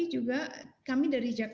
itu juga menyebabkan prinsip agro spesifik